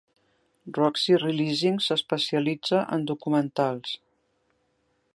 Roxie Releasing s'especialitza en documentals.